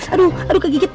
aduh aduh kegigit